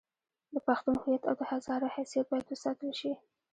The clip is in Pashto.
د پښتون هویت او د هزاره حیثیت باید وساتل شي.